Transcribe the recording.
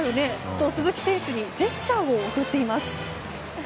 と鈴木選手にジェスチャーを送っています。